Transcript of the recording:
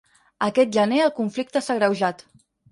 Aquest gener el conflicte s'ha agreujat.